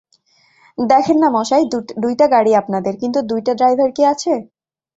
দেখেন না মশাই, দুইটা গাড়ি আপনাদের, কিন্তু দুইটা ড্রাইভার কি আছে?